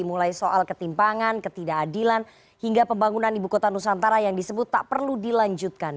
mulai soal ketimpangan ketidakadilan hingga pembangunan ibu kota nusantara yang disebut tak perlu dilanjutkan